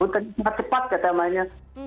sangat cepat katanya